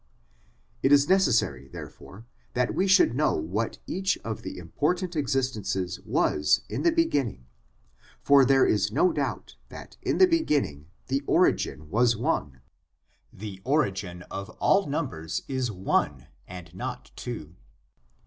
It is necessary, therefore, that we should know what each of the important existences was in the beginning for there is no doubt that in the beginning the origin was one : the origin of all numbers is one and not two.